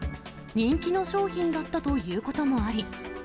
人気の商品だったということもあり。